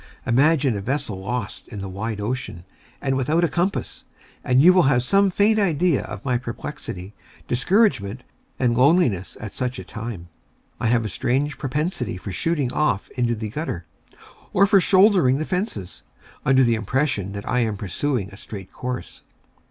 Imagine a vessel lost in the wide ocean, and without a compass, and you will have some faint idea of my perplexity, discouragement, and loneliness at such a time. I have a strange propensity for shooting off into the gutter, or for shouldering the fences, under the impression that I am pursuing a straight course.